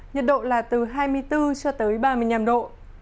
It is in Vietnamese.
nhật độ là từ hai mươi bốn ba mươi năm độ